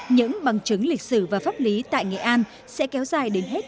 những bằng chứng lịch sử và pháp lý tại nghệ an sẽ kéo dài đến hết